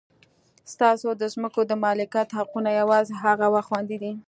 ستاسو د ځمکو د مالکیت حقونه یوازې هغه وخت خوندي دي.